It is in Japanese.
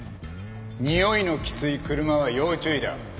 においのきつい車は要注意だ。